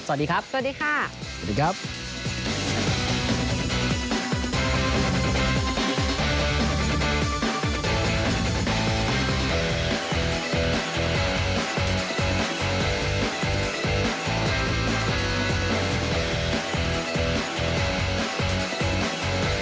สวัสดีครับสวัสดีค่ะ